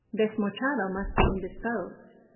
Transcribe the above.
Desmochado must be indisposed."